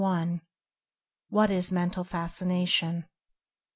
WHAT IS "MENTAL FASCINATION?"